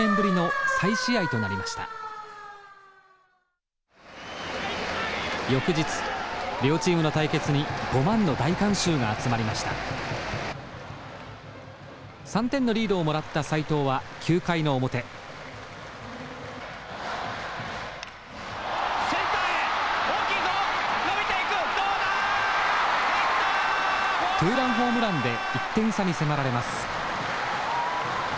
ツーランホームランで１点差に迫られます。